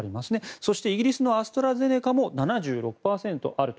そしてイギリスのアストラゼネカも７６％あると。